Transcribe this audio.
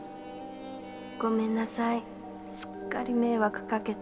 ごめんなさいすっかり迷惑かけて。